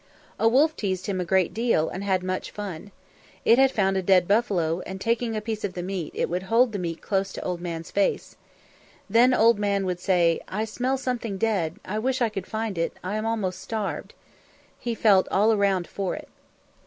A wolf teased him a great deal and had much fun. It had found a dead buffalo, and taking a piece of the meat, it would hold the meat close to Old Man's face. Then Old Man would say, "I smell something dead, I wish I could find it; I am almost starved." He felt all around for it.